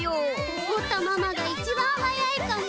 おこったママがいちばん速いかも。